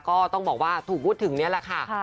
ก็ต้องบอกว่าถูกพูดถึงนี่แหละค่ะ